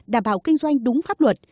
đảm bảo kinh doanh đúng pháp luật